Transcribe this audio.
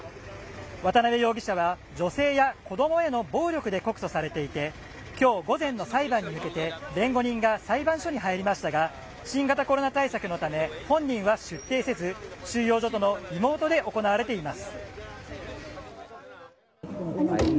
渡辺容疑者は女性や子供への暴力で告訴されていて今日午前の裁判に向けて弁護人が裁判所に入りましたが新型コロナ対策のため本人は出廷せず収容所とのリモートで行われています。